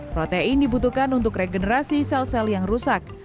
protein dibutuhkan untuk regenerasi sel sel yang rusak